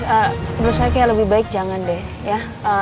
menurut saya kayak lebih baik jangan deh ya